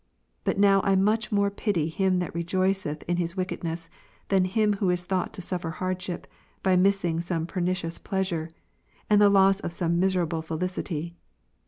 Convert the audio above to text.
But now I much more pity him that rejoiceth in his wickedness, than him who is thought to suffer hardship, by missing some pernicious pleasure, and the loss of some miserable felicity.